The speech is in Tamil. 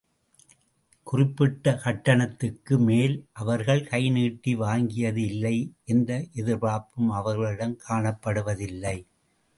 குறிப்பிட்ட கட்டணத்துக்கு மேல் அவர்கள் கை நீட்டி வாங்கியது இல்லை எந்த எதிர்பார்ப்பும் அவர்களிடம் காணப்படுவது இல்லை.